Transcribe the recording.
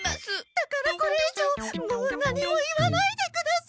だからこれいじょうもう何も言わないでください。